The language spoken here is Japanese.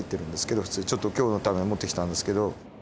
ちょっと今日のために持ってきたんですけど。